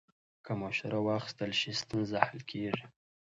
که مشوره واخیستل شي، ستونزه حل کېږي.